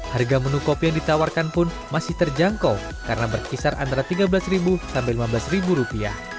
harga menu kopi yang ditawarkan pun masih terjangkau karena berkisar antara rp tiga belas sampai rp lima belas